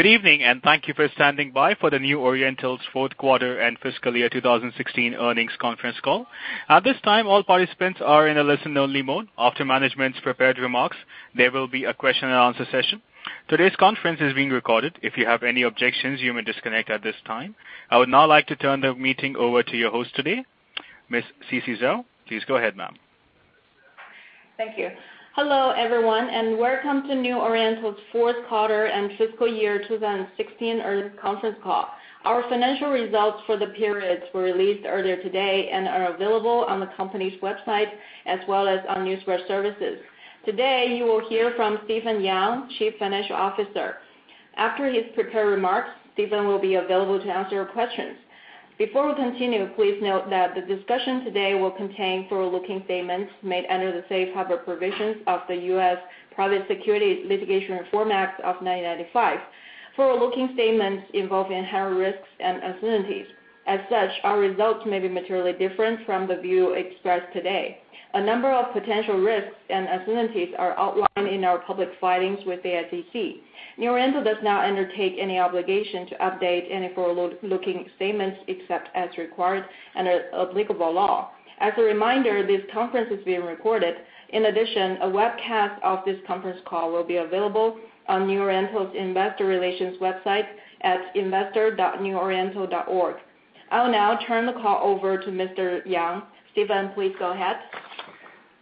Good evening, and thank you for standing by for the New Oriental's fourth quarter and fiscal year 2016 earnings conference call. At this time, all participants are in a listen-only mode. After management's prepared remarks, there will be a question-and-answer session. Today's conference is being recorded. If you have any objections, you may disconnect at this time. I would now like to turn the meeting over to your host today, Ms. Sisi Zhao. Please go ahead, ma'am. Thank you. Hello, everyone, and welcome to New Oriental's fourth quarter and fiscal year 2016 earnings conference call. Our financial results for the periods were released earlier today and are available on the company's website, as well as on Newswire services. Today, you will hear from Stephen Yang, Chief Financial Officer. After his prepared remarks, Stephen will be available to answer your questions. Before we continue, please note that the discussion today will contain forward-looking statements made under the safe harbor provisions of the U.S. Private Securities Litigation Reform Act of 1995. Forward-looking statements involve inherent risks and uncertainties. As such, our results may be materially different from the view expressed today. A number of potential risks and uncertainties are outlined in our public filings with the SEC. New Oriental does not undertake any obligation to update any forward-looking statements except as required under applicable law. As a reminder, this conference is being recorded. In addition, a webcast of this conference call will be available on New Oriental's investor relations website at investor.neworiental.org. I will now turn the call over to Mr. Yang. Stephen, please go ahead.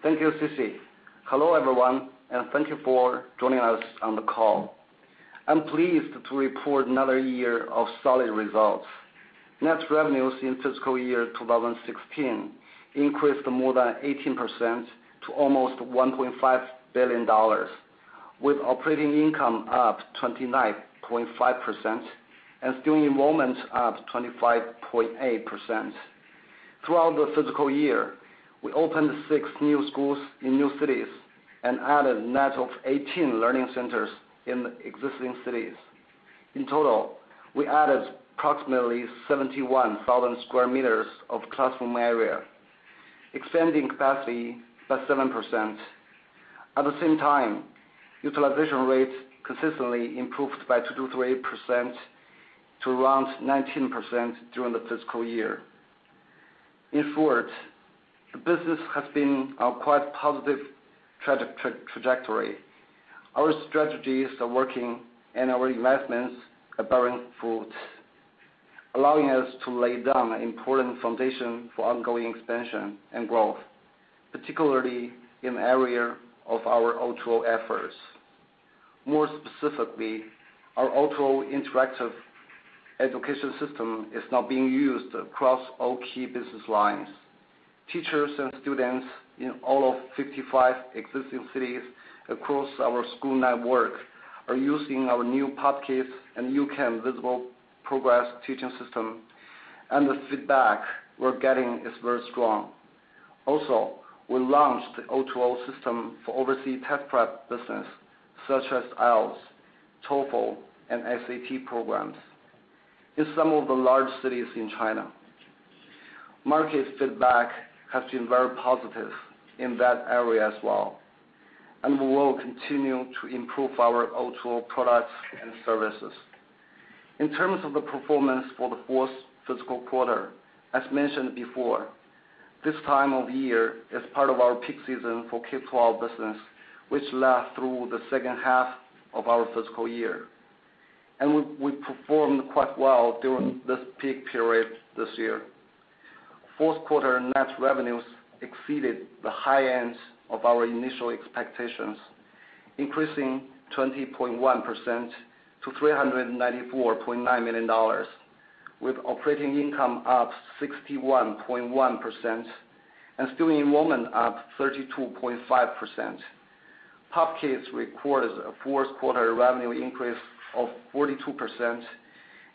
Thank you, Sisi. Hello, everyone, and thank you for joining us on the call. I'm pleased to report another year of solid results. Net revenues in fiscal year 2016 increased more than 18% to almost $1.5 billion, with operating income up 29.5% and student enrollment up 25.8%. Throughout the fiscal year, we opened six new schools in new cities and added a net of 18 learning centers in existing cities. In total, we added approximately 71,000 sq m of classroom area, extending capacity by 7%. At the same time, utilization rates consistently improved by 2% to 8% to around 19% during the fiscal year. In short, the business has been on quite a positive trajectory. Our strategies are working, and our investments are bearing fruit, allowing us to lay down an important foundation for ongoing expansion and growth, particularly in the area of our O2O efforts. More specifically, our O2O interactive education system is now being used across all key business lines. Teachers and students in all 55 existing cities across our school network are using our new PopKids and U-Can Visible Progress Teaching System, and the feedback we're getting is very strong. We launched the O2O system for overseas test prep business such as IELTS, TOEFL, and SAT programs in some of the large cities in China. Market feedback has been very positive in that area as well, and we will continue to improve our O2O products and services. In terms of the performance for the fourth fiscal quarter, as mentioned before, this time of year is part of our peak season for K-12 business, which lasts through the second half of our fiscal year, and we performed quite well during this peak period this year. Fourth quarter net revenues exceeded the high end of our initial expectations, increasing 20.1% to $394.9 million, with operating income up 61.1% and student enrollment up 32.5%. PopKids recorded a fourth-quarter revenue increase of 42%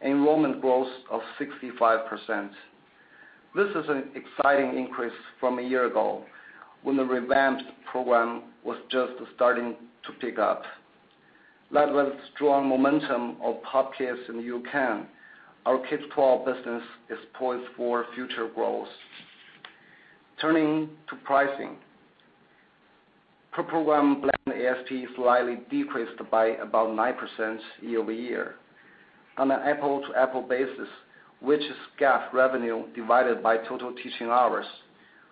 and enrollment growth of 65%. This is an exciting increase from a year ago when the revamped program was just starting to pick up. Led by the strong momentum of PopKids and U-Can, our K-12 business is poised for future growth. Turning to pricing, per program blend ASP slightly decreased by about 9% year-over-year. On an apple-to-apple basis, which is GAAP revenue divided by total teaching hours,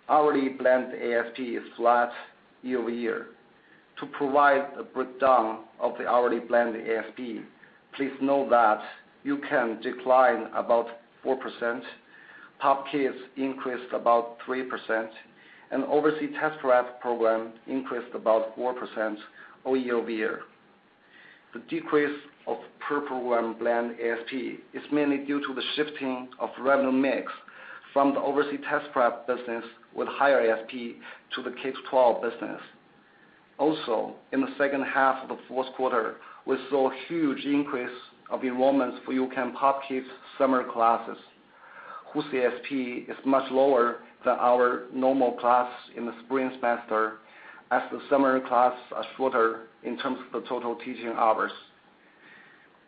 hourly blend ASP is flat year-over-year. To provide a breakdown of the hourly blend ASP, please know that U-Can declined about 4%, PopKids increased about 3%, and overseas test prep program increased about 4% year-over-year. The decrease of per program blend ASP is mainly due to the shifting of revenue mix from the overseas test prep business with higher ASP to the K-12 business. In the second half of the fourth quarter, we saw a huge increase of enrollments for U-Can PopKids summer classes, whose ASP is much lower than our normal class in the spring semester as the summer classes are shorter in terms of the total teaching hours.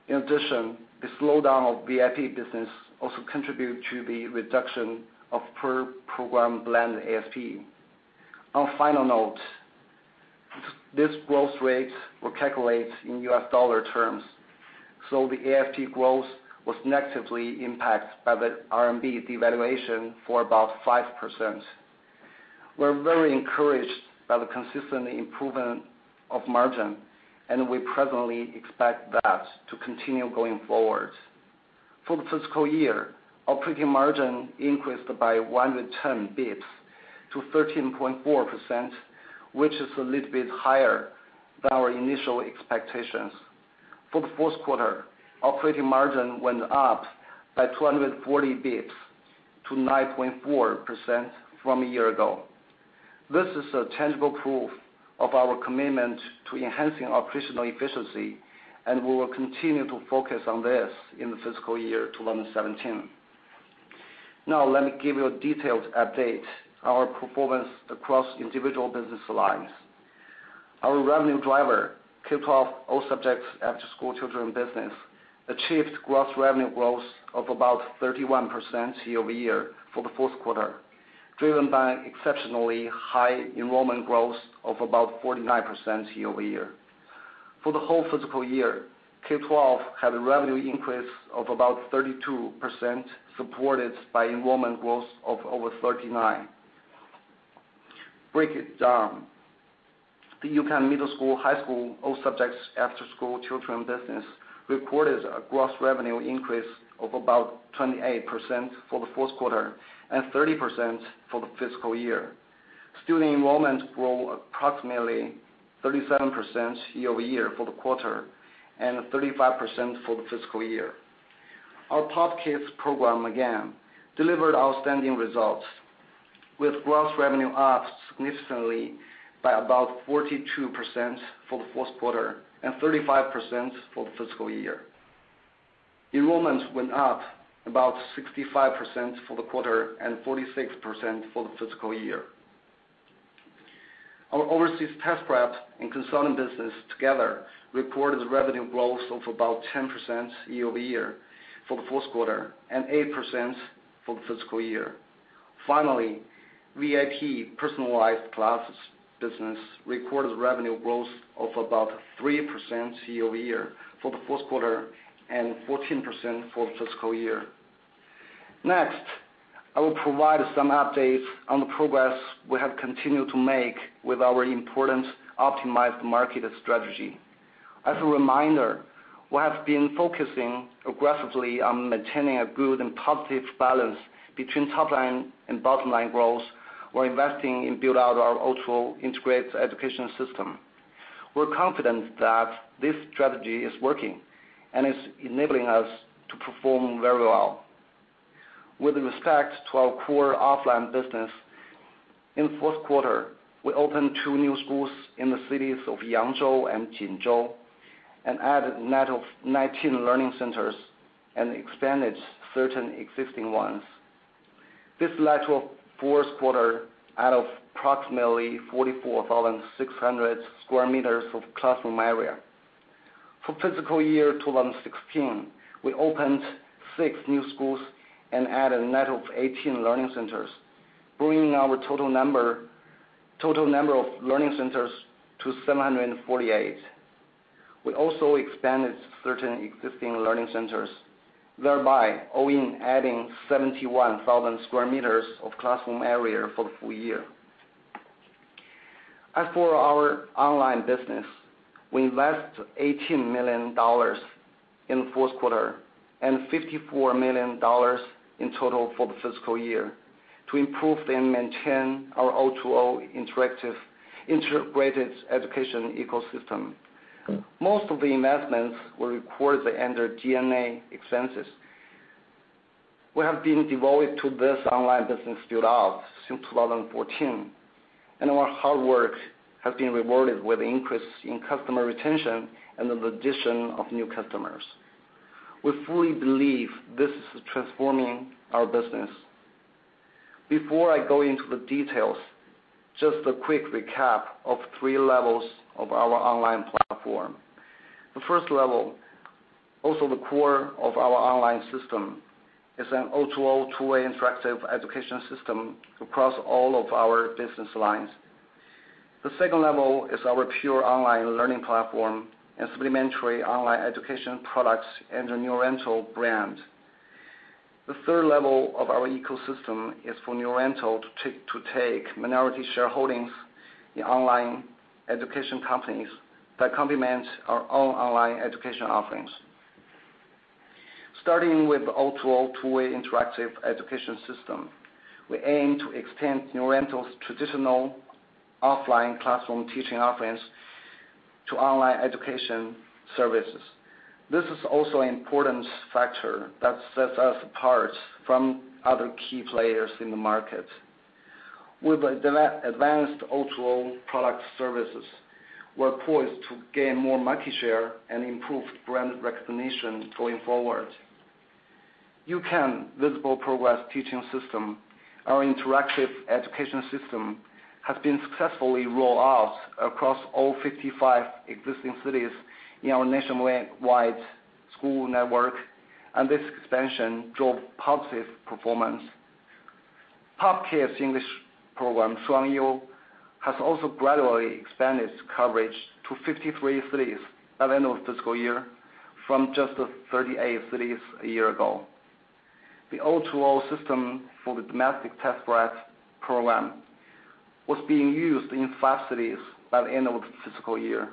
In addition, the slowdown of VIP business also contributed to the reduction of per program blend ASP. On a final note, these growth rates were calculated in U.S. dollar terms, so the ASP growth was negatively impacted by the RMB devaluation for about 5%. We're very encouraged by the consistent improvement of margin, and we presently expect that to continue going forward. For the fiscal year, operating margin increased by 110 BPS to 13.4%, which is a little bit higher than our initial expectations. For the fourth quarter, operating margin went up by 240 BPS to 9.4% from a year ago. This is a tangible proof of our commitment to enhancing operational efficiency, and we will continue to focus on this in the fiscal year 2017. Now let me give you a detailed update, our performance across individual business lines. Our revenue driver, K-12 all subjects after-school children business, achieved gross revenue growth of about 31% year-over-year for the fourth quarter, driven by exceptionally high enrollment growth of about 49% year-over-year. For the whole fiscal year, K-12 had a revenue increase of about 32%, supported by enrollment growth of over 39%. Break it down. The U-Can middle school, high school, all subjects after-school children business recorded a gross revenue increase of about 28% for the fourth quarter and 30% for the fiscal year. Student enrollment grew approximately 37% year-over-year for the quarter and 35% for the fiscal year. Our Pop Kids program again delivered outstanding results, with gross revenue up significantly by about 42% for the fourth quarter and 35% for the fiscal year. Enrollment went up about 65% for the quarter and 46% for the fiscal year. Our overseas test prep and consulting business together reported revenue growth of about 10% year-over-year for the fourth quarter and 8% for the fiscal year. Finally, VIP personalized classes business recorded revenue growth of about 3% year-over-year for the fourth quarter and 14% for the fiscal year. Next, I will provide some updates on the progress we have continued to make with our important optimized market strategy. As a reminder, we have been focusing aggressively on maintaining a good and positive balance between top line and bottom line growth while investing in build out our O2O integrated education system. We're confident that this strategy is working and it's enabling us to perform very well. With respect to our core offline business, in the fourth quarter, we opened 2 new schools in the cities of Yangzhou and Jinzhou and added a net of 19 learning centers and expanded certain existing ones. This led to a fourth quarter add of approximately 44,600 sq m of classroom area. For FY 2016, we opened 6 new schools and added a net of 18 learning centers, bringing our total number of learning centers to 748. We also expanded certain existing learning centers, thereby only adding 71,000 sq m of classroom area for the full year. As for our online business, we invest $18 million in the fourth quarter and $54 million in total for the fiscal year to improve and maintain our O2O integrated education ecosystem. Most of the investments were recorded under G&A expenses. We have been devoted to this online business build-out since 2014, and our hard work has been rewarded with increase in customer retention and the addition of new customers. We fully believe this is transforming our business. Before I go into the details, just a quick recap of 3 levels of our online platform. The first level, also the core of our online system, is an O2O two-way interactive education system across all of our business lines. The second level is our pure online learning platform and supplementary online education products under New Oriental brand. The third level of our ecosystem is for New Oriental to take minority shareholdings in online education companies that complement our own online education offerings. Starting with O2O two-way interactive education system, we aim to extend New Oriental's traditional offline classroom teaching offerings to online education services. This is also an important factor that sets us apart from other key players in the market. With advanced O2O product services, we're poised to gain more market share and improve brand recognition going forward. U-Can Visible Progress Teaching System, our interactive education system, has been successfully rolled out across all 55 existing cities in our nationwide school network, and this expansion drove positive performance. Pop Kids English program, Shuangyu, has also gradually expanded its coverage to 53 cities by the end of the fiscal year from just 38 cities a year ago. The O2O system for the domestic test-prep program was being used in five cities by the end of the fiscal year.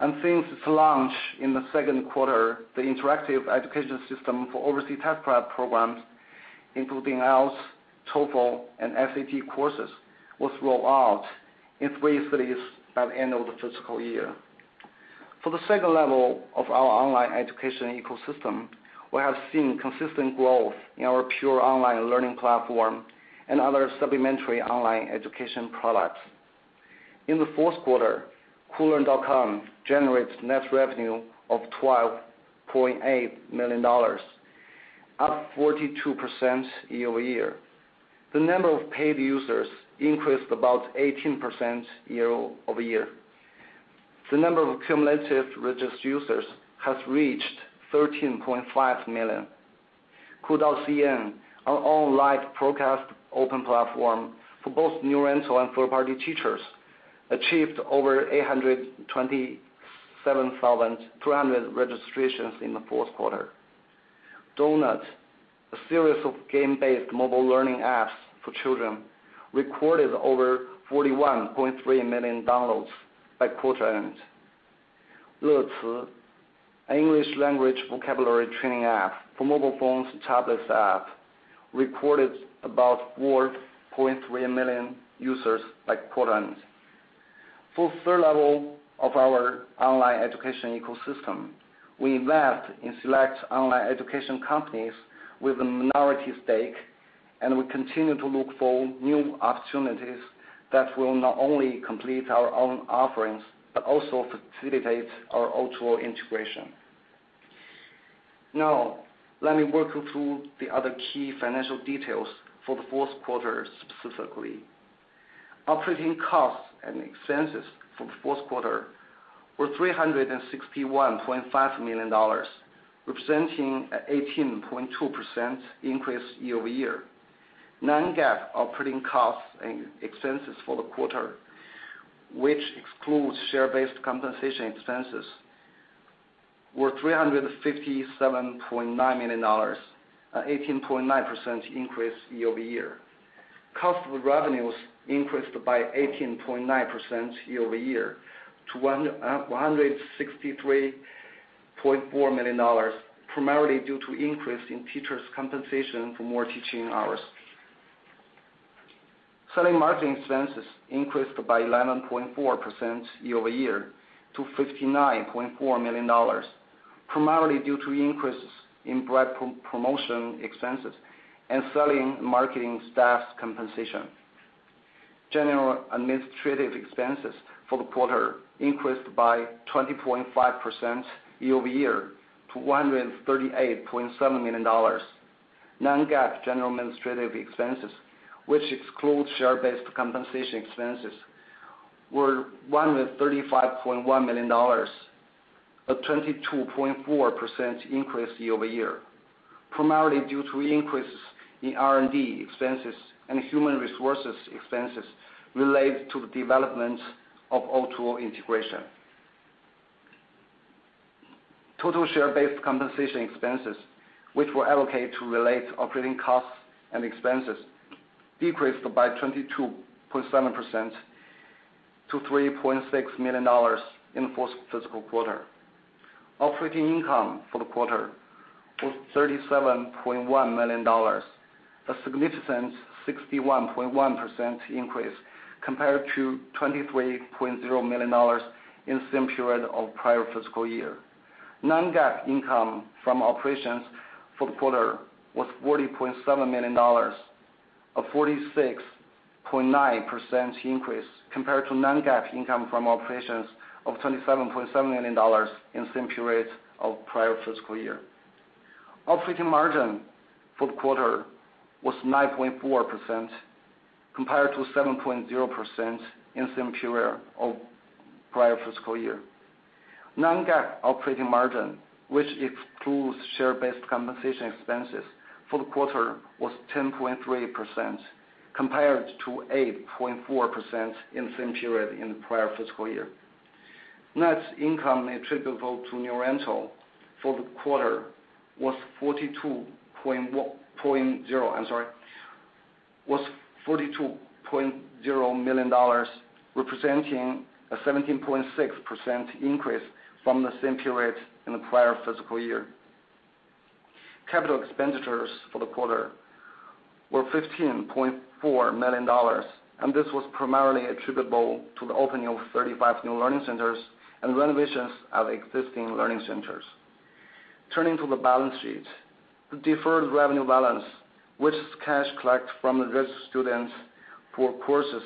Since its launch in the second quarter, the interactive education system for overseas test-prep programs, including IELTS, TOEFL, and SAT courses, was rolled out in three cities by the end of the fiscal year. For the second level of our online education ecosystem, we have seen consistent growth in our pure online learning platform and other supplementary online education products. In the fourth quarter, Koolearn.com generates net revenue of $12.8 million, up 42% year-over-year. The number of paid users increased about 18% year-over-year. The number of cumulative registered users has reached 13.5 million. KuDao.cn, our online broadcast open platform for both New Oriental and third-party teachers, achieved over 827,200 registrations in the fourth quarter. Donut, a series of game-based mobile learning apps for children, recorded over 41.3 million downloads by quarter end. Leci, English language vocabulary training app for mobile phones and tablets app, recorded about 4.3 million users by quarter end. For the third level of our online education ecosystem, we invest in select online education companies with a minority stake, and we continue to look for new opportunities that will not only complete our own offerings, but also facilitate our O2O integration. Now, let me walk you through the other key financial details for the fourth quarter specifically. Operating costs and expenses for the fourth quarter were $361.5 million, representing an 18.2% increase year-over-year. Non-GAAP operating costs and expenses for the quarter, which excludes share-based compensation expenses, were $357.9 million, an 18.9% increase year-over-year. Cost of revenues increased by 18.9% year-over-year to $163.4 million, primarily due to increase in teachers' compensation for more teaching hours. Selling margin expenses increased by 11.4% year-over-year to $59.4 million, primarily due to increases in direct promotion expenses and selling marketing staff compensation. General administrative expenses for the quarter increased by 20.5% year-over-year to $138.7 million. Non-GAAP general administrative expenses, which exclude share-based compensation expenses, were $135.1 million, a 22.4% increase year-over-year, primarily due to increases in R&D expenses and human resources expenses related to the development of O2O integration. Total share-based compensation expenses, which were allocated to relate operating costs and expenses, decreased by 22.7% to $3.6 million in the fourth fiscal quarter. Operating income for the quarter was $37.1 million, a significant 61.1% increase compared to $23.0 million in the same period of prior fiscal year. Non-GAAP income from operations for the quarter was $40.7 million, a 46.9% increase compared to Non-GAAP income from operations of $27.7 million in the same period of the prior fiscal year. Operating margin for the quarter was 9.4% compared to 7.0% in the same period of the prior fiscal year. Non-GAAP operating margin, which excludes share-based compensation expenses for the quarter, was 10.3% compared to 8.4% in the same period in the prior fiscal year. Net income attributable to New Oriental for the quarter was $42.0 million, representing a 17.6% increase from the same period in the prior fiscal year. Capital expenditures for the quarter were $15.4 million, and this was primarily attributable to the opening of 35 new learning centers and renovations of existing learning centers. Turning to the balance sheet. The deferred revenue balance, which is cash collected from registered students for courses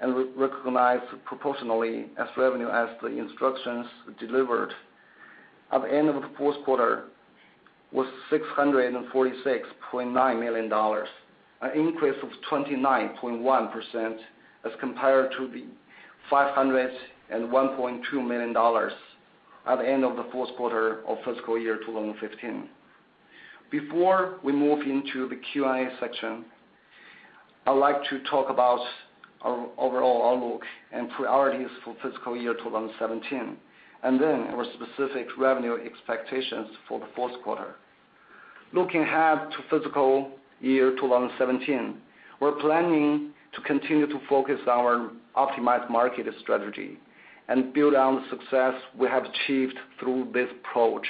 and recognized proportionally as revenue as the instruction is delivered, at the end of the fourth quarter, was $646.9 million, an increase of 29.1% as compared to the $501.2 million at the end of the fourth quarter of fiscal year 2015. Before we move into the Q&A section, I'd like to talk about our overall outlook and priorities for fiscal year 2017, then our specific revenue expectations for the fourth quarter. Looking ahead to fiscal year 2017, we're planning to continue to focus our optimized market strategy and build on the success we have achieved through this approach.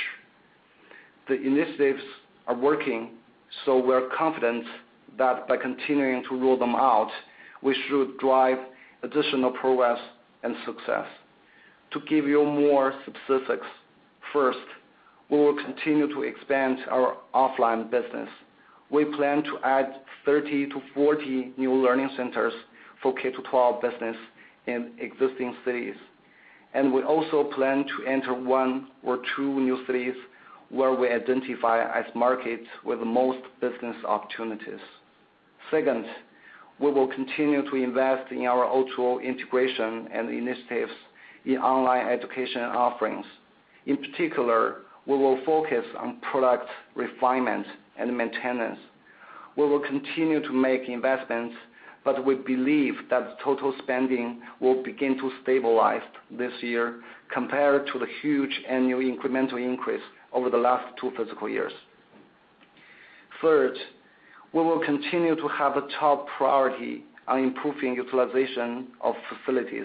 The initiatives are working. We're confident that by continuing to roll them out, we should drive additional progress and success. To give you more specifics, first, we will continue to expand our offline business. We plan to add 30 to 40 new learning centers for K-12 business in existing cities. We also plan to enter one or two new cities where we identify as markets with the most business opportunities. Second, we will continue to invest in our O2O integration and initiatives in online education offerings. In particular, we will focus on product refinement and maintenance. We will continue to make investments, we believe that total spending will begin to stabilize this year compared to the huge annual incremental increase over the last two fiscal years. Third, we will continue to have a top priority on improving utilization of facilities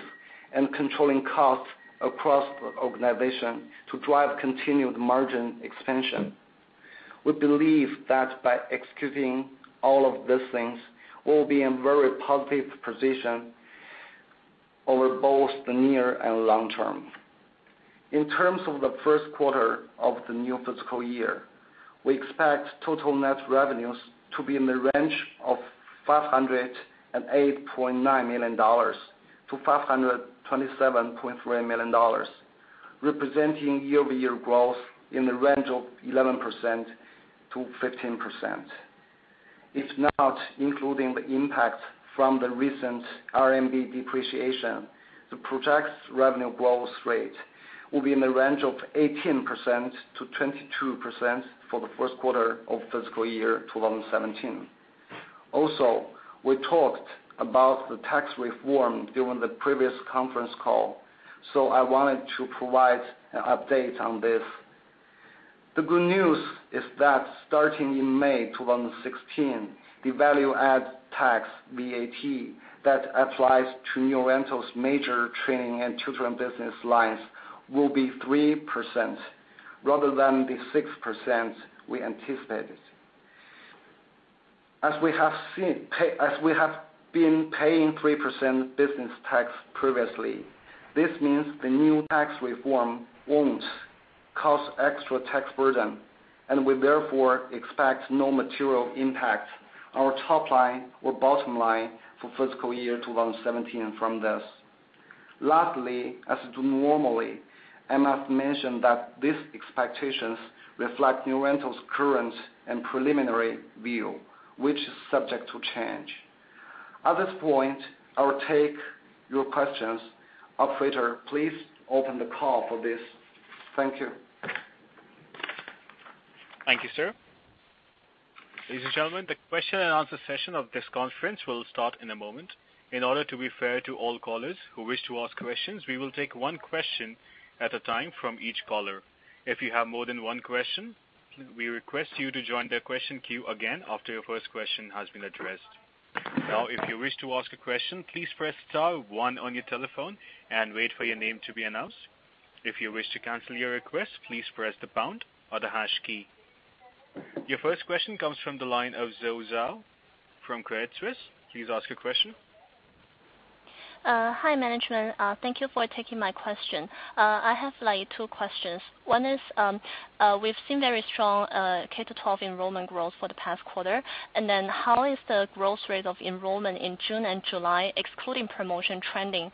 and controlling costs across the organization to drive continued margin expansion. We believe that by executing all of these things, we will be in very positive position over both the near and long term. In terms of the first quarter of the new fiscal year, we expect total net revenues to be in the range of $508.9 million to $527.3 million, representing year-over-year growth in the range of 11%-15%. If not including the impact from the recent RMB depreciation, the projected revenue growth rate will be in the range of 18%-22% for the first quarter of fiscal year 2017. We talked about the tax reform during the previous conference call, I wanted to provide an update on this. The good news is that starting in May 2016, the value-added tax, VAT, that applies to New Oriental's major training and children business lines will be 3% rather than the 6% we anticipated. As we have been paying 3% business tax previously, this means the new tax reform won't cause extra tax burden. We therefore expect no material impact on our top line or bottom line for fiscal year 2017 from this. Lastly, I must mention that these expectations reflect New Oriental's current and preliminary view, which is subject to change. At this point, I will take your questions. Operator, please open the call for this. Thank you. Thank you, sir. Ladies and gentlemen, the question and answer session of this conference will start in a moment. In order to be fair to all callers who wish to ask questions, we will take one question at a time from each caller. If you have more than one question, we request you to join the question queue again after your first question has been addressed. Now, if you wish to ask a question, please press star one on your telephone and wait for your name to be announced. If you wish to cancel your request, please press the pound or the hash key. Your first question comes from the line of Zoe Zhao from Credit Suisse. Please ask your question. Hi, management. Thank you for taking my question. I have two questions. One is, we've seen very strong K-12 enrollment growth for the past quarter. How is the growth rate of enrollment in June and July excluding promotion trending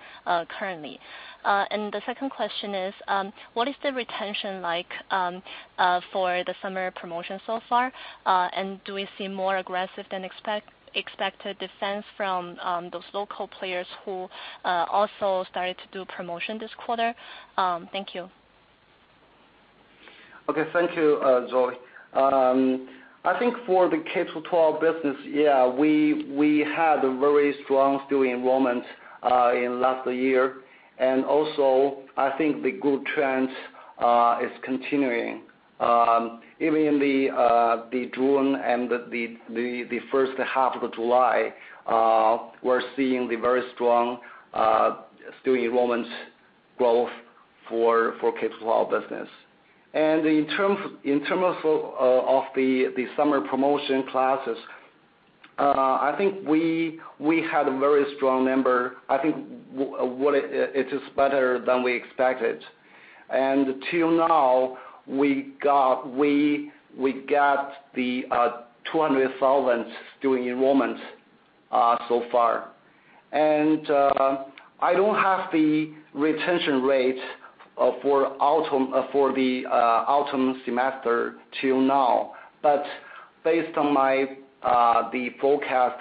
currently? The second question is, what is the retention like for the summer promotion so far? Do we see more aggressive than expected defense from those local players who also started to do promotion this quarter? Thank you. Okay. Thank you, Zoe. I think for the K-12 business, yeah, we had a very strong student enrollment in last year. I think the good trend is continuing. Even in June and the first half of July, we're seeing the very strong student enrollment growth for K-12 business. In terms of the summer promotion classes, I think we had a very strong number. I think it is better than we expected. Till now, we got the 200,000 student enrollments so far. I don't have the retention rate for the autumn semester till now. Based on the forecast,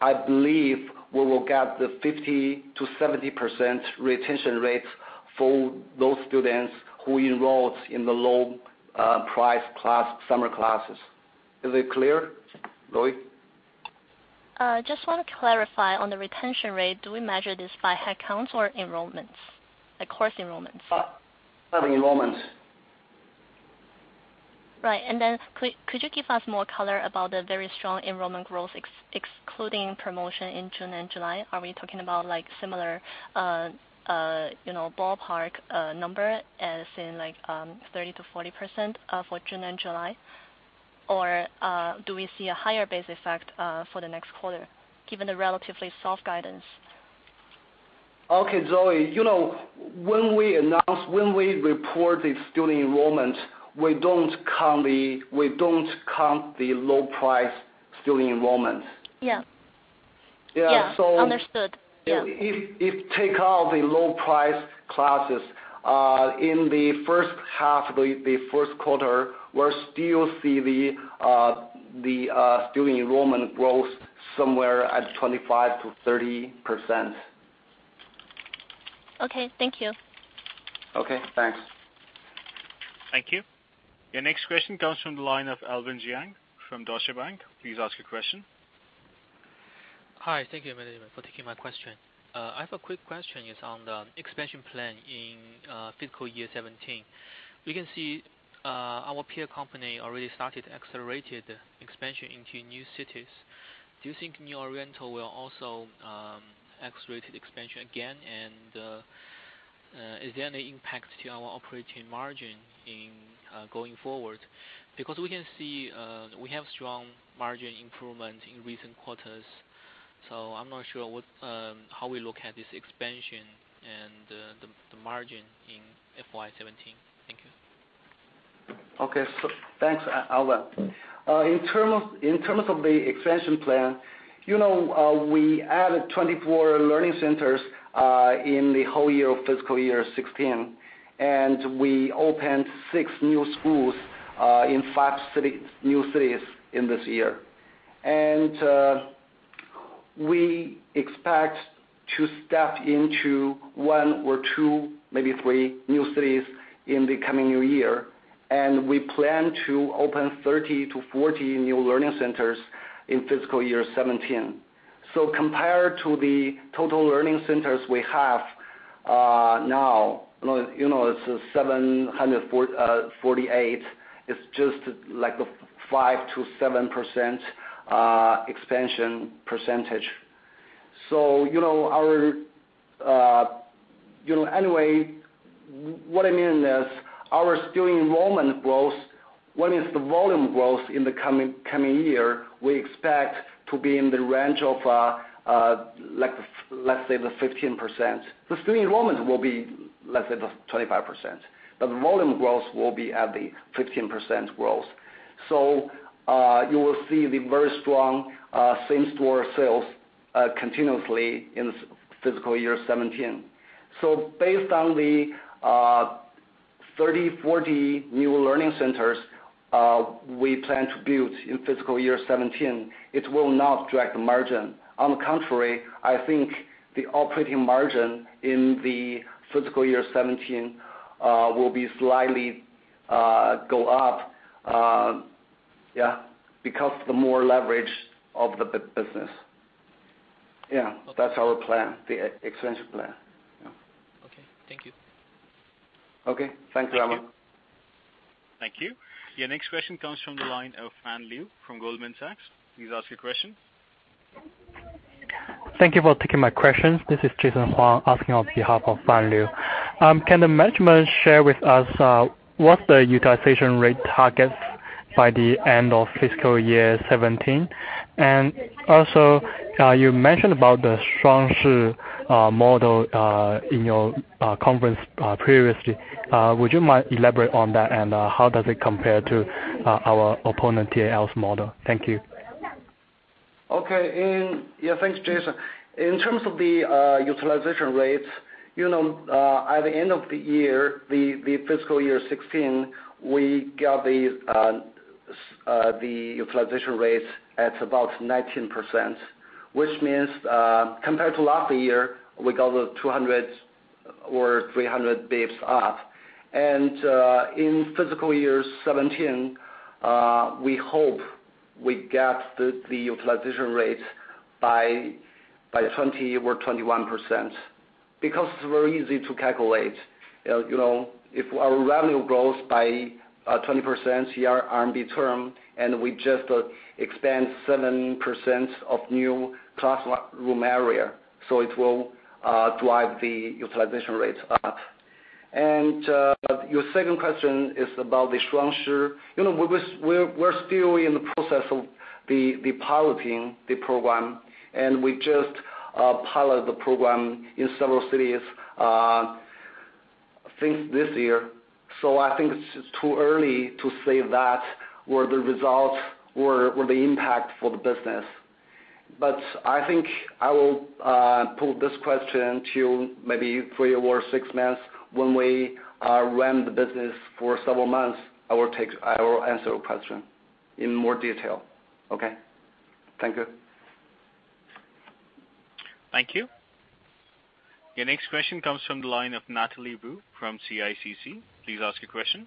I believe we will get the 50%-70% retention rates for those students who enrolled in the low price summer classes. Is it clear, Zoe? Just want to clarify on the retention rate, do we measure this by head counts or enrollments, like course enrollments? By the enrollments. Right. Could you give us more color about the very strong enrollment growth excluding promotion in June and July? Are we talking about similar ballpark number as in 30%-40% for June and July? Do we see a higher base effect for the next quarter given the relatively soft guidance? Okay, Zoe. When we report the student enrollment, we don't count the low price student enrollment. Yeah. Yeah. Understood. Yeah. If we take out the low price classes, in the first half of the first quarter, we still see the student enrollment growth somewhere at 25%-30%. Okay, thank you. Okay, thanks. Thank you. Your next question comes from the line of Alvin Jiang from Deutsche Bank. Please ask your question. Hi. Thank you very much for taking my question. I have a quick question. It is on the expansion plan in fiscal year 2017. We can see our peer company already started accelerated expansion into new cities. Do you think New Oriental will also accelerate expansion again? Is there any impact to our operating margin going forward? We can see, we have strong margin improvement in recent quarters, so I am not sure how we look at this expansion and the margin in FY 2017. Thank you. Okay. Thanks, Alvin. In terms of the expansion plan, we added 24 learning centers in the whole year of fiscal year 2016, and we opened six new schools in five new cities in this year. We expect to step into one or two, maybe three new cities in the coming new year, and we plan to open 30 to 40 new learning centers in fiscal year 2017. Compared to the total learning centers we have now, it is 748, it is just like a 5%-7% expansion percentage. Anyway, what I mean is our student enrollment growth, what is the volume growth in the coming year, we expect to be in the range of let's say the 15%. The student enrollment will be, let's say, the 25%, but the volume growth will be at the 15% growth. You will see the very strong same-store sales continuously in fiscal year 2017. Based on the 30, 40 new learning centers we plan to build in fiscal year 2017, it will not drag the margin. On the contrary, I think the operating margin in the fiscal year 2017 will be slightly go up. Yeah. Because the more leverage of the business. Yeah. Okay. That's our plan, the expansion plan. Yeah. Okay. Thank you. Okay. Thanks, Alvin. Thank you. Your next question comes from the line of Fan Liu from Goldman Sachs. Please ask your question. Thank you for taking my questions. This is Jason Huang asking on behalf of Fan Liu. Can the management share with us what the utilization rate targets by the end of fiscal year 2017? Also, you mentioned about the Shuangshi model in your conference previously. Would you mind elaborate on that and how does it compare to our opponent TAL's model? Thank you. Okay. Yeah, thanks, Jason. In terms of the utilization rates, at the end of the year, the fiscal year 2016, we got the utilization rates at about 19%, which means, compared to last year, we got the 200 or 300 basis points up. In fiscal year 2017, we hope we get the utilization rates by 20% or 21%, because it's very easy to calculate. If our revenue grows by 20% year-over-year, we just expand 7% of new classroom area, it will drive the utilization rates up. Your second question is about the Shuangshi. We're still in the process of the piloting the program, we just pilot the program in several cities since this year. I think it's too early to say that were the results or the impact for the business. I think I will pull this question to maybe three or six months. When we run the business for several months, I will answer your question in more detail. Okay? Thank you. Thank you. Your next question comes from the line of Natalie Wu from CICC. Please ask your question.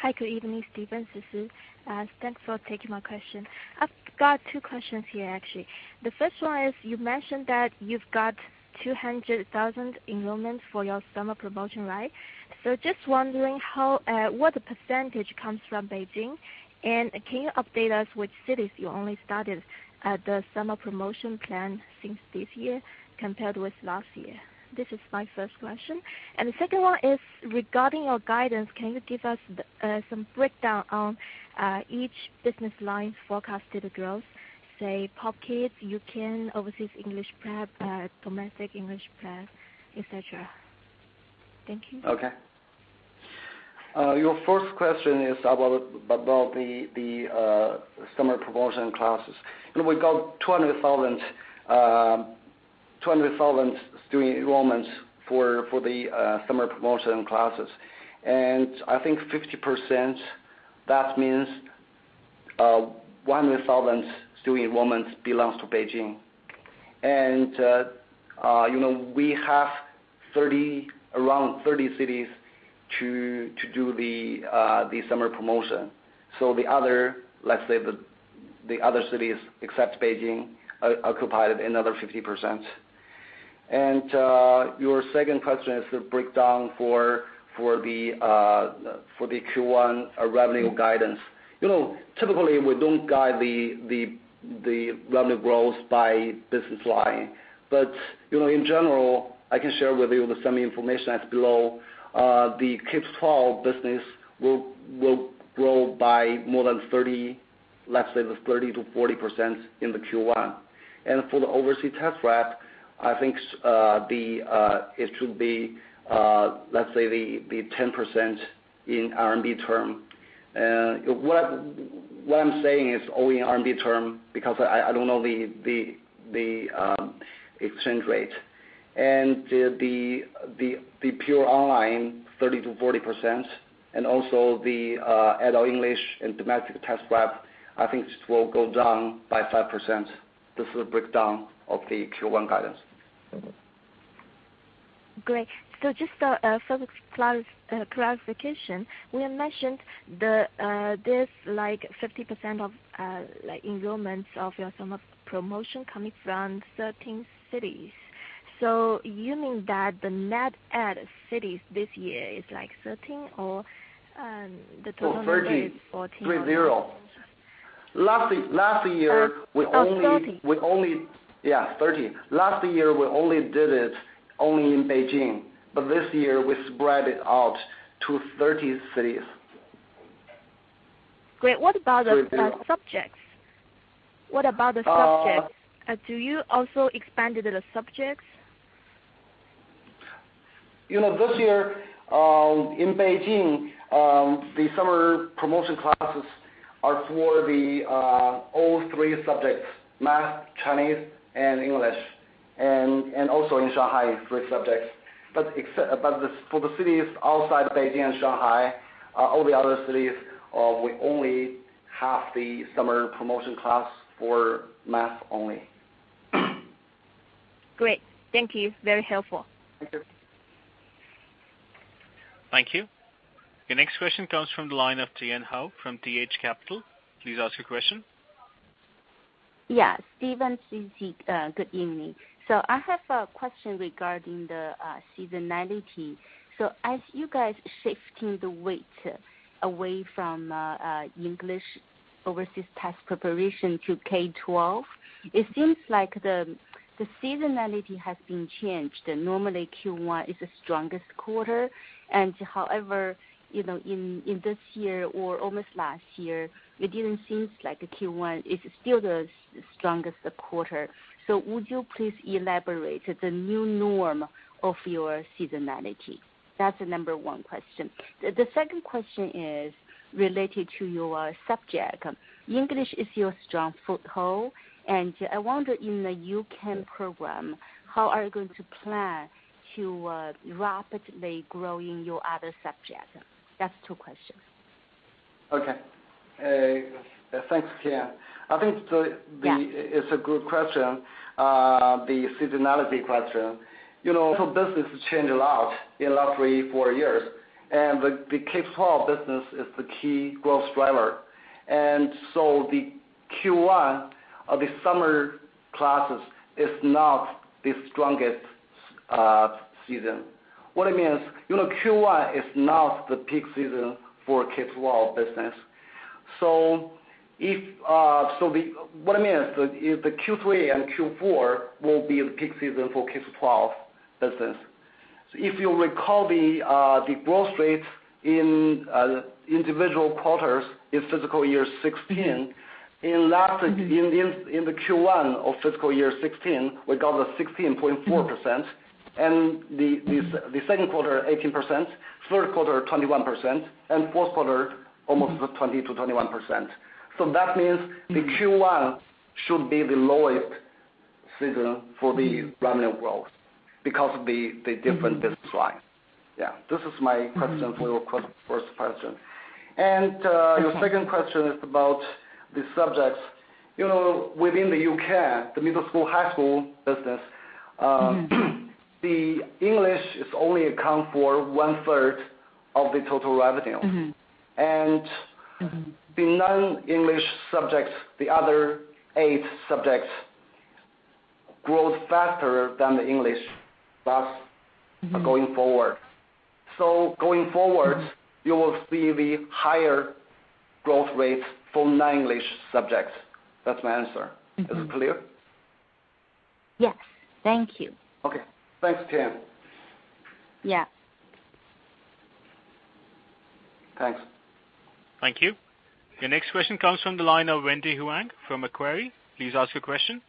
Hi. Good evening, Stephen. This is Wu. Thanks for taking my question. I've got two questions here, actually. The first one is, you mentioned that you've got 200,000 enrollments for your summer promotion, right? Just wondering what percentage comes from Beijing, and can you update us which cities you only started the summer promotion plan since this year compared with last year? This is my first question. The second one is regarding your guidance. Can you give us some breakdown on each business line forecasted growth, say, Pop Kids, U-Can, overseas English prep, domestic English prep, et cetera. Thank you. Okay. Your first question is about the summer promotion classes. We got 200,000 student enrollments for the summer promotion classes. I think 50%, that means 100,000 student enrollments, belongs to Beijing. We have around 30 cities to do the summer promotion. Let's say the other cities except Beijing occupied another 50%. Your second question is the breakdown for the Q1 revenue guidance. Typically, we don't guide the revenue growth by business line. In general, I can share with you some information that's below. The K-12 business will grow by more than 30%-40% in the Q1. For the overseas test prep, I think it should be, let's say the 10% in RMB term. What I'm saying is only in RMB term, because I don't know the exchange rate. The pure online, 30%-40%, also the adult English and domestic test prep, I think this will go down by 5%. This is the breakdown of the Q1 guidance. Great. Just for clarification, we mentioned this 50% of enrollments of your summer promotion coming from 13 cities. You mean that the net add cities this year is 13 or the total number is 14? Oh, 30. Three, zero. Oh, 30. Yeah, 30. Last year, we only did it only in Beijing. This year, we spread it out to 30 cities. Great. What about the subjects? Do you also expanded the subjects? This year, in Beijing, the summer promotion classes are for the all three subjects, math, Chinese, and English. Also in Shanghai, three subjects. For the cities outside Beijing and Shanghai, all the other cities, we only have the summer promotion class for math only. Great. Thank you. Very helpful. Thank you. Thank you. Your next question comes from the line of Tian Hao from DH Capital. Please ask your question. Yeah. Stephen. [inaudible] Good evening. I have a question regarding the seasonality. As you guys shifting the weight away from English overseas test preparation to K-12, it seems like the seasonality has been changed, normally Q1 is the strongest quarter. However, in this year or almost last year, it didn't seem like the Q1 is still the strongest quarter. Would you please elaborate the new norm of your seasonality? That's the number one question. The second question is related to your subject. English is your strong foothold, and I wonder in the U-Can program, how are you going to plan to rapidly grow in your other subjects? That's two questions. Okay. Thanks, Tian. I think it's a good question, the seasonality question. Business has changed a lot in the last three, four years, and the K-12 business is the key growth driver. The Q1 of the summer classes is not the strongest season. What I mean is, Q1 is not the peak season for K-12 business. What I mean is the Q3 and Q4 will be the peak season for K-12 business. If you recall the growth rates in individual quarters in fiscal year 2016, in the Q1 of fiscal year 2016, we got the 16.4%. The second quarter, 18%, third quarter, 21%, and fourth quarter, almost 20%-21%. That means the Q1 should be the lowest season for the revenue growth because of the different business lines. Yeah. This is my answer for your first question. Your second question is about the subjects. Within the U-Can, the middle school, high school business, the English is only account for one-third of the total revenue. The non-English subjects, the other eight subjects, grows faster than the English class going forward. Going forward, you will see the higher growth rates for non-English subjects. That's my answer. Is it clear? Yes. Thank you. Okay. Thanks, Tian. Yeah. Thanks. Thank you. Your next question comes from the line of Wendy Huang from Macquarie. Please ask your question.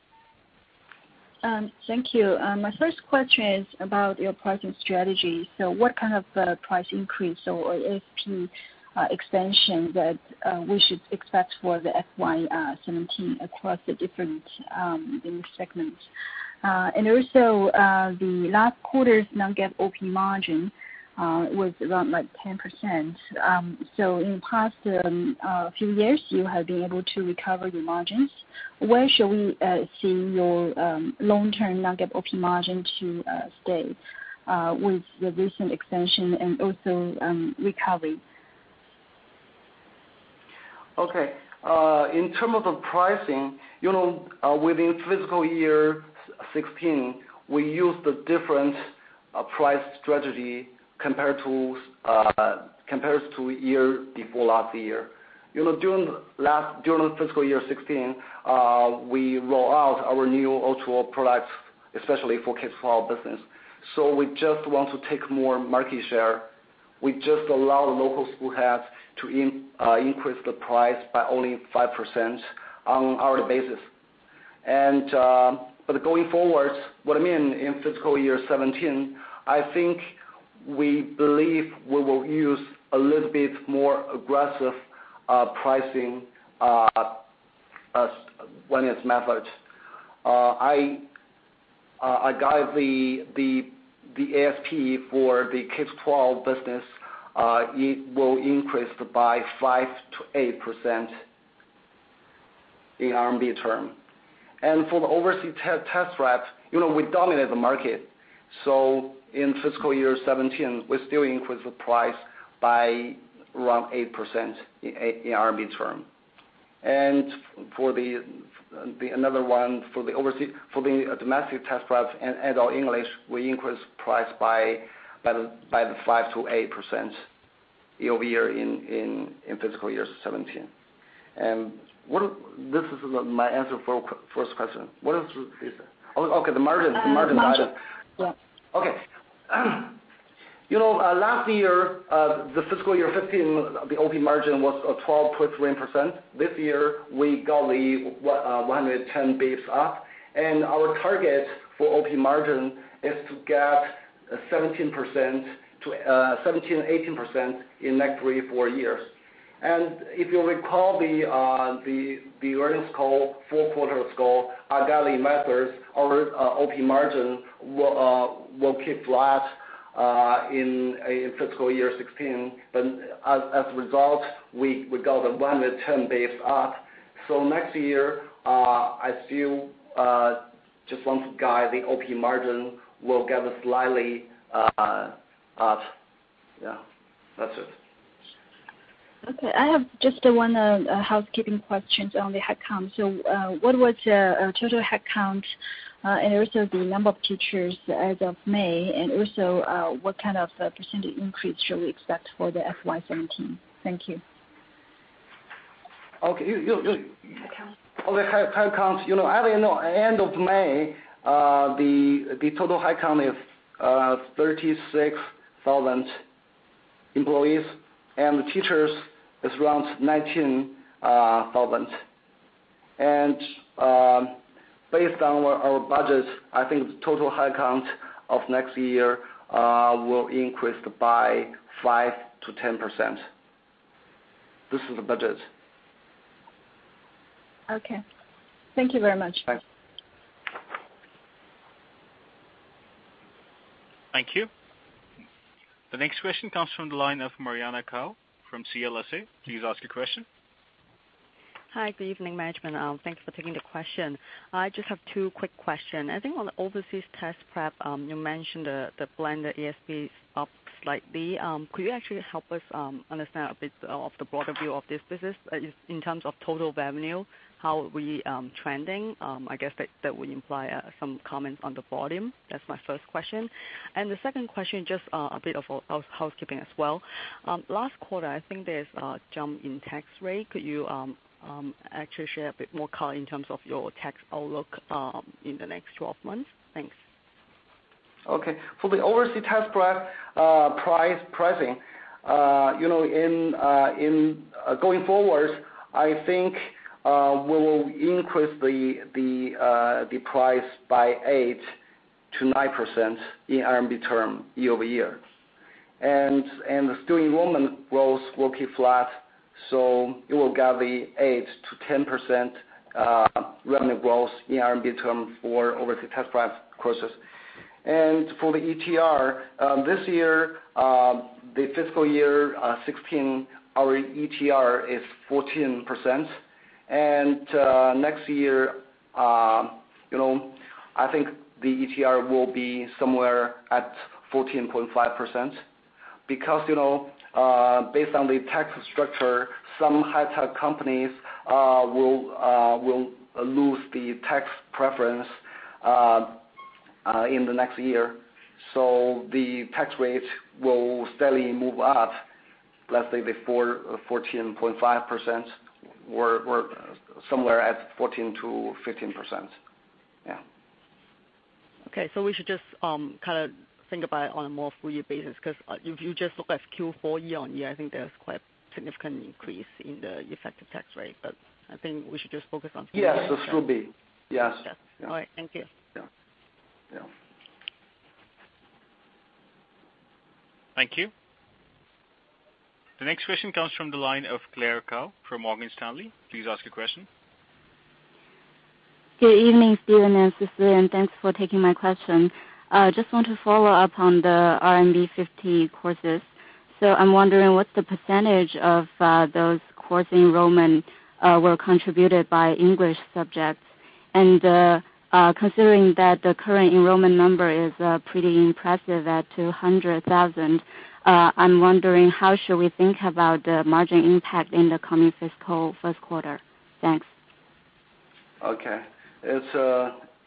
Thank you. My first question is about your pricing strategy. What kind of price increase or ASP expansion that we should expect for the FY 2017 across the different English segments? The last quarter's non-GAAP Operating Margin was around 10%. In the past few years, you have been able to recover your margins. Where shall we see your long-term non-GAAP Operating Margin to stay with the recent expansion and also recovery? Okay. In terms of the pricing, within fiscal year 2016, we used a different price strategy compared to year before last year. During fiscal year 2016, we roll out our new O2O products, especially for K-12 business. We just want to take more market share. We just allow the local school heads to increase the price by only 5% on hourly basis. Going forward, what I mean, in fiscal year 2017, I think we believe we will use a little bit more aggressive pricing as one its methods. I guide the ASP for the K-12 business will increase by 5%-8% in RMB term. For the overseas test prep, we dominate the market. In fiscal year 2017, we still increase the price by around 8% in RMB term. For the domestic test prep and adult English, we increase price by the 5%-8% year-over-year in fiscal year 2017. This is my answer for first question. What else is there? Okay, the margin. Margin. Yeah. Okay. Last year, the fiscal year 2015, the Operating Margin was at 12.3%. This year, we got the 110 basis points up, our target for Operating Margin is to get 17%-18% in next three, four years. If you recall the earnings call, fourth quarter call, our guided methods, our Operating Margin will keep flat in fiscal year 2016. As a result, we got a 110 basis points up. Next year, I still just want to guide the Operating Margin will get slightly up. Yeah. That's it. Okay. I have just one housekeeping question on the headcount. What was your total headcount, and also the number of teachers as of May, and also what kind of percentage increase should we expect for the FY 2017? Thank you. Okay. Headcount. On the headcount, as you know, end of May, the total headcount is 36,000 employees, and the teachers is around 19,000. Based on our budget, I think the total headcount of next year will increase by 5%-10%. This is the budget. Okay. Thank you very much. Thanks. Thank you. The next question comes from the line of Mariana Kou from CLSA. Please ask your question. Hi. Good evening, management. Thanks for taking the question. I just have two quick question. I think on the overseas test prep, you mentioned the blended ASP is up slightly. Could you actually help us understand a bit of the broader view of this business in terms of total revenue, how are we trending? I guess that would imply some comments on the bottom. That's my first question. The second question, just a bit of a housekeeping as well. Last quarter, I think there's a jump in tax rate. Could you actually share a bit more color in terms of your tax outlook in the next 12 months? Thanks. Okay. For the overseas test prep pricing, in going forward, I think we will increase the price by 8%-9% in RMB term year-over-year. The student enrollment growth will keep flat, so it will get 8%-10% revenue growth year-on-year midterm for overseas test prep courses. For the ETR, this year, the fiscal year 2016, our ETR is 14%. Next year, I think the ETR will be somewhere at 14.5%, because based on the tax structure, some high tech companies will lose the tax preference in the next year. The tax rate will steadily move up, let's say, before 14.5% or somewhere at 14%-15%. Yeah. Okay. We should just think about it on a more full year basis, because if you just look at Q4 year-on-year, I think there's quite a significant increase in the effective tax rate. I think we should just focus on full year. Yes, it will be. Yes. Yes. All right. Thank you. Yeah. Thank you. The next question comes from the line of Claire Cao from Morgan Stanley. Please ask your question. Good evening, Stephen and Sisi, and thanks for taking my question. Just want to follow up on the RMB 50 courses. I'm wondering what's the percentage of those course enrollment were contributed by English subjects? Considering that the current enrollment number is pretty impressive at 200,000, I'm wondering how should we think about the margin impact in the coming fiscal first quarter? Thanks. Okay. There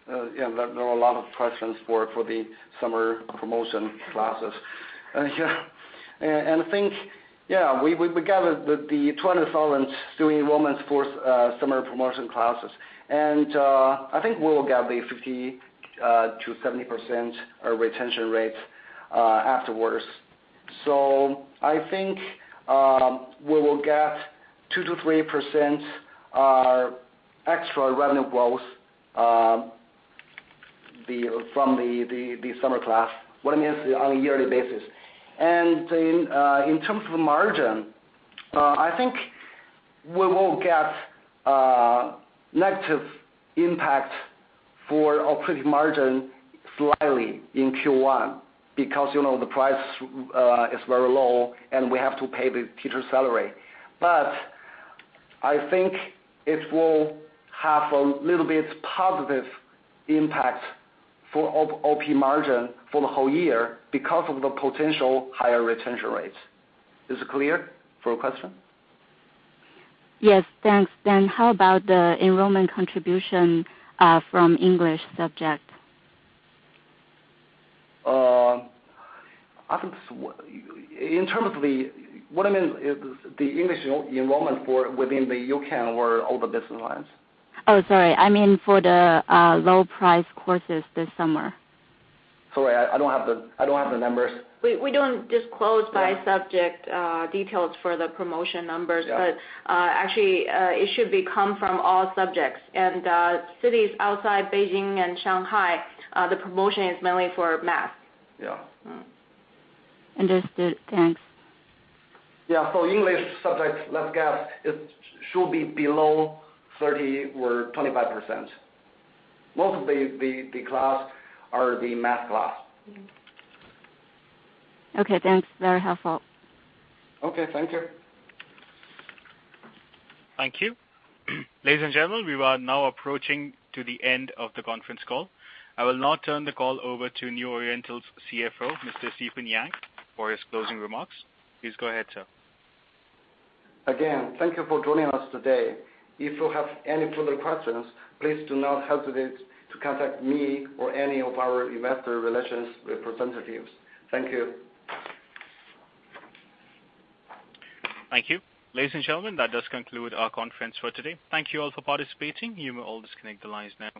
were a lot of questions for the summer promotion classes. I think, yeah, we gathered the 200,000 student enrollments for summer promotion classes. I think we will get the 50%-70% retention rates afterwards. I think, we will get 2%-3% extra revenue growth from the summer class, what it means on a yearly basis. In terms of margin, I think we will get a negative impact for Operating Margin slightly in Q1 because the price is very low, and we have to pay the teacher salary. I think it will have a little bit positive impact for Operating Margin for the whole year because of the potential higher retention rates. Is it clear for your question? Yes, thanks. How about the enrollment contribution from English subject? What I mean is the English enrollment within the U-Can or all the business lines? Oh, sorry. I mean for the low price courses this summer. Sorry, I don't have the numbers. We don't disclose by subject details for the promotion numbers. Yeah. Actually, it should be come from all subjects. Cities outside Beijing and Shanghai, the promotion is mainly for math. Yeah. Understood. Thanks. English subjects, let's guess, it should be below 30% or 25%. Most of the class are the math class. Okay, thanks. Very helpful. Okay, thank you. Thank you. Ladies and gentlemen, we are now approaching to the end of the conference call. I will now turn the call over to New Oriental's CFO, Mr. Stephen Yang, for his closing remarks. Please go ahead, sir. Again, thank you for joining us today. If you have any further questions, please do not hesitate to contact me or any of our investor relations representatives. Thank you. Thank you. Ladies and gentlemen, that does conclude our conference for today. Thank you all for participating. You may all disconnect the lines now.